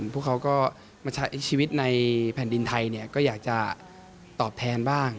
พวกเขาก็มาใช้ชีวิตในแผ่นดินไทยก็อยากจะตอบแทนบ้าง